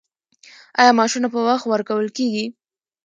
آیا معاشونه په وخت ورکول کیږي؟